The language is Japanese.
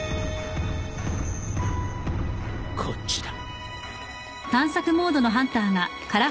こっちだ。